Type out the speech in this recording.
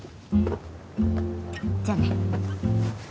じゃあね。